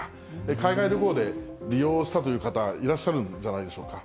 海外旅行で利用したという方、いらっしゃるんじゃないでしょうか。